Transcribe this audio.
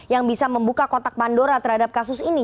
yang bisa membuka kotak pandora terhadap kasus ini